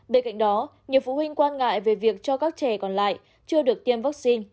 bên cạnh đó nhiều phụ huynh quan ngại về việc cho các trẻ còn lại chưa được tiêm vaccine